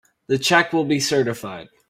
The check will be certified.